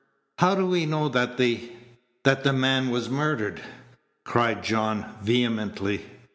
"How do we know that the that the man was murdered?" cried John, vehemently.